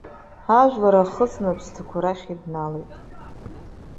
Ажәлар ахыҵны аԥсҭақәа рахь ибналеит.